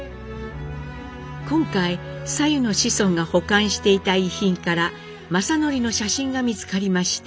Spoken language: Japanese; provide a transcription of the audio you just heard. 今回サユの子孫が保管していた遺品から正徳の写真が見つかりました。